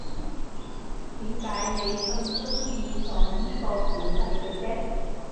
點解你咁鍾意講依個故仔嘅啫